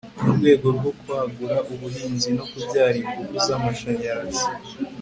mu rwego rwo kwagura ubuhinzi no kubyara ingufu z'amashanyarazi